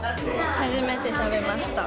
初めて食べました。